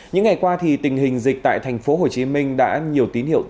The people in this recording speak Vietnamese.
những ngày qua tình hình dịch tại thành phố hồ chí minh đã nhiều tín hiệu